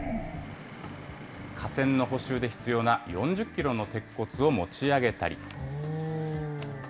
架線の補修で必要な４０キロの鉄骨を持ち上げたり。